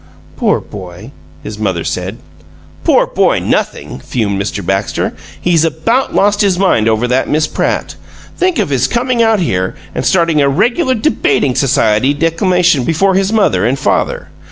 "Poor boy!" his mother said. "Poor boy nothing!" fumed Mr. Baxter. "He's about lost his mind over that Miss Pratt. Think of his coming out here and starting a regular debating society declamation before his mother and father!